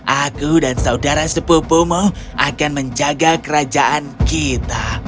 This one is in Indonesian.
aku dan saudara sepupumu akan menjaga kerajaan kita